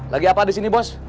lagi apa di sini bos